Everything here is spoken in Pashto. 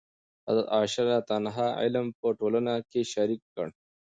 حضرت عایشه رضي الله عنها علم په ټولنه کې شریک کړ.